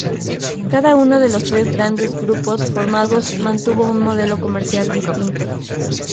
Cada uno de los tres grandes grupos formados mantuvo un modelo comercial distinto.